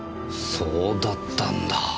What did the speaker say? そうだったんだぁ。